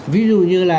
ví dụ như là